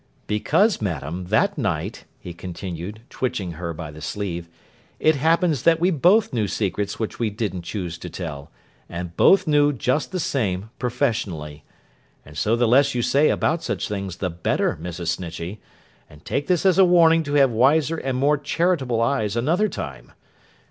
'Because, Madam, that night,' he continued, twitching her by the sleeve, 'it happens that we both knew secrets which we didn't choose to tell, and both knew just the same professionally. And so the less you say about such things the better, Mrs. Snitchey; and take this as a warning to have wiser and more charitable eyes another time.